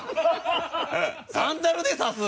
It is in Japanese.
サンダルで指す？